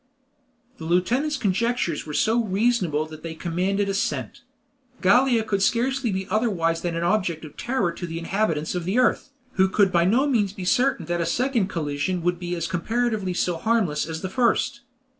The lieutenant's conjectures were so reasonable that they commanded assent. Gallia could scarcely be otherwise than an object of terror to the inhabitants of the earth, who could by no means be certain that a second collision would be comparatively so harmless as the first.